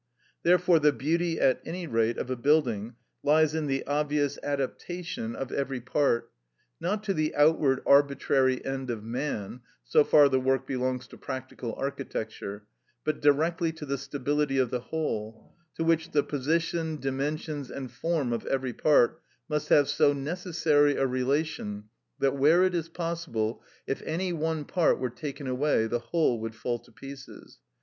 Therefore the beauty, at any rate, of a building lies in the obvious adaptation of every part, not to the outward arbitrary end of man (so far the work belongs to practical architecture), but directly to the stability of the whole, to which the position, dimensions, and form of every part must have so necessary a relation that, where it is possible, if any one part were taken away, the whole would fall to pieces.